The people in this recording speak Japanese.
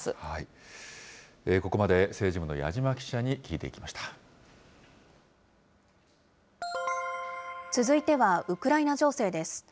ここまで政治部の矢島記者に続いてはウクライナ情勢です。